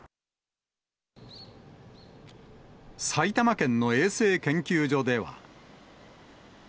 埼玉県の衛生研究所では。